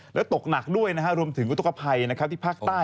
และตกหนักด้วยรวมถึงอุตุภัยที่ภาคใต้